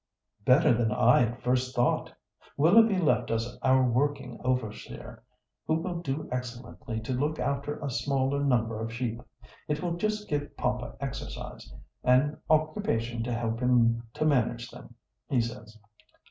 "Better than I at first thought; Willoughby left us our working overseer, who will do excellently to look after a smaller number of sheep. It will just give papa exercise, and occupation to help him to manage them, he says.